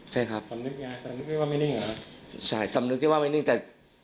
ใช่ครับสำนึกไงไม่ว่าไม่นิ่งเหรอใช่สำนึกที่ว่าไม่นิ่งแต่